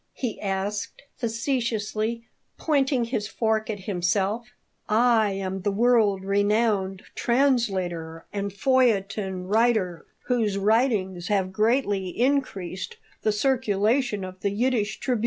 he asked, facetiously, pointing his fork at himself. "I am the world renowned translator and feuilleton writer whose writings have greatly increased the circulation of the Yiddish Tribune."